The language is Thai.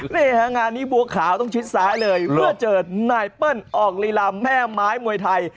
นี่ฮะงานนี้บัวขาวต้องชิดซ้ายเลยเพื่อเจอนายเปิ้ลออกลีลาแม่ไม้มวยไทย